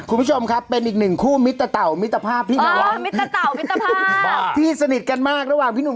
คุณผู้ชมครับเป็นอีกหนึ่งคู่มิตตะเต่ามิตรภาพพี่น้องมิตรเต่ามิตรภาพที่สนิทกันมากระหว่างพี่หนุ่ม